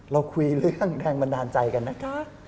เราคุยเรื่องแรงบันดาลใจกันนะคะ